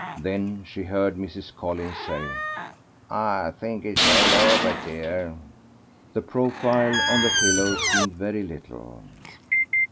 Then she heard Mrs. Collins say "I think it is all over, dear." The profile on the pillow seemed very little.